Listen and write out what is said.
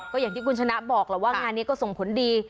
ก็อย่างที่คุณชนะบอกแล้วว่างานนี้ก็ส่งผลดี